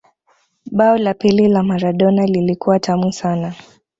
bao la pili la Maradona lilikuwa tamu sana